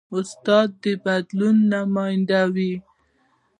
استاد د بدلون نماینده وي.